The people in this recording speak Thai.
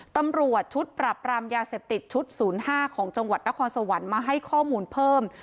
ตำรวจชุดปรับรามยาเสพติดชุด๐๕ของจังหวัดนครสวรรค์มาให้ข้อมูลเพิ่ม